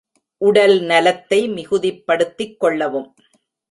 உடல் நலத்தை மிகுதிப்படுத்திக் கொள்ளவும்.